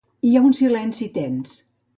Hi ha un silenci tens.